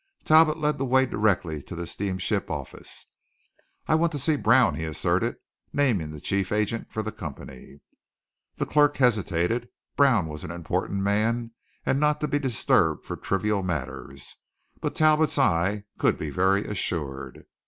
Talbot led the way directly to the steamship office. "I want to see Brown," he asserted, naming the chief agent for the company. The clerk hesitated: Brown was an important man and not to be disturbed for trivial matters. But Talbot's eye could be very assured.